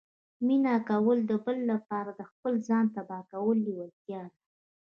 مینه کول د بل لپاره د خپل ځان تباه کولو لیوالتیا ده